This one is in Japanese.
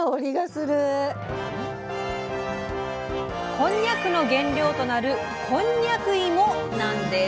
こんにゃくの原料となるこんにゃく芋なんです。